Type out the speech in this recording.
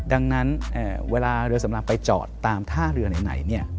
ดังนั้นเวลาเรือสำราญไปจอดตามท่าเรือไหน